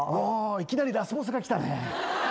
いきなりラスボスがきたね。